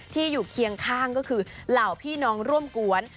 อยู่เคียงข้างก็คือเหล่าพี่น้องร่วมกวน